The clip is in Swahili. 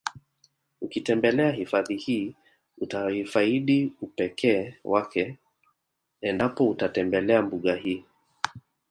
Ukitembelea hifadhi hii utaifadi upekee wake endapo utatembelea mbuga hii